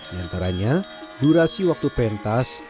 diantaranya durasi waktu pentas